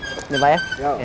ini pak ya